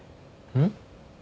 うん？